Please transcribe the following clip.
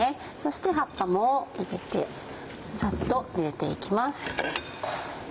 そして葉っぱも入れてサッとゆでて行きます。